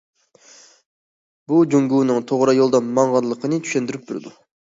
بۇ جۇڭگونىڭ توغرا يولدا ماڭغانلىقىنى چۈشەندۈرۈپ بېرىدۇ.